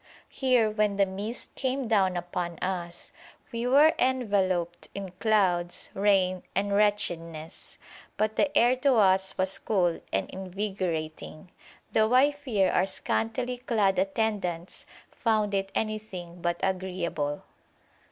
Here, when the mist came down upon us, we were enveloped in clouds, rain, and wretchedness; but the air to us was cool and invigorating, though I fear our scantily clad attendants found it anything but agreeable.